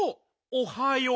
おはよう！